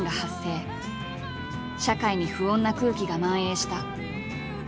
社会に不穏な空気が蔓延した。